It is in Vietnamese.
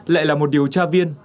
lại là một điều tra viên